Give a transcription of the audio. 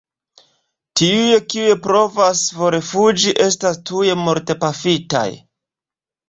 Tiuj, kiuj provas forfuĝi estas tuj mortpafitaj.